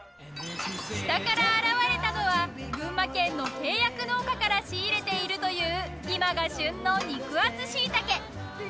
下から現れたのは群馬県の契約農家から仕入れているという今が旬の肉厚椎茸。